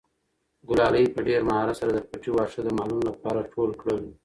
ګلالۍ په ډېر مهارت سره د پټي واښه د مالونو لپاره ټول کړل.